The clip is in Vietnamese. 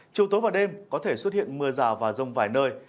chiều tối và đêm có thể xuất hiện mưa rào và rông vài nơi